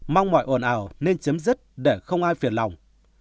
mong mọi ồn ào nên chấm dứt để không ai phiền lòng